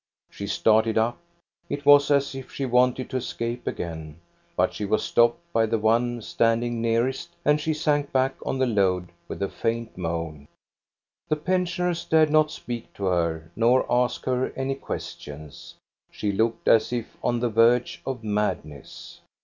She started up. It was as if she wanted to escape again, but she was stopped by the one standing nearest, and she sank back on the load with a faint moan. The pensioners dared not speak to her nor ask her any questions. She looked as ifon the verge of madness.